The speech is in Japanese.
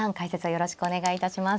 よろしくお願いします。